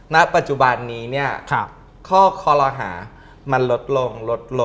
ณปัจจุบันนี้ข้อคอละหามันลดลง